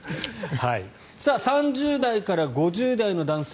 ３０代から５０代の男性